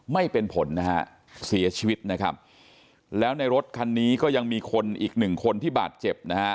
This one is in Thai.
ไม่เป็นผลนะฮะเสียชีวิตนะครับแล้วในรถคันนี้ก็ยังมีคนอีกหนึ่งคนที่บาดเจ็บนะฮะ